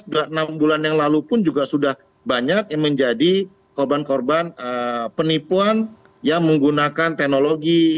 sudah enam bulan yang lalu pun juga sudah banyak yang menjadi korban korban penipuan yang menggunakan teknologi